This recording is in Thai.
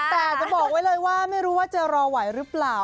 แต่จะบอกไว้เลยว่าไม่รู้ว่าจะรอไหวหรือเปล่า